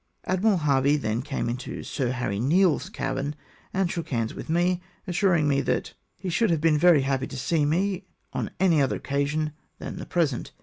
Admiral Harvey then came into Sir Harry Neale's cabin, and shook hands with me, assuring me that " he should have been very happy to see me on any other occasion than the present.